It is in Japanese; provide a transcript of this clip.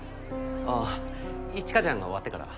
ああ一華ちゃんが終わってから。